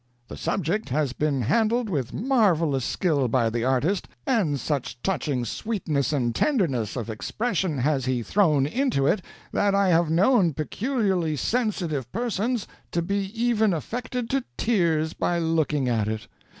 The subject has been handled with marvelous skill by the artist, and such touching sweetness and tenderness of expression has he thrown into it that I have known peculiarly sensitive persons to be even affected to tears by looking at it.